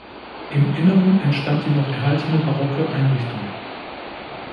Im Inneren entstand die noch erhaltene barocke Einrichtung.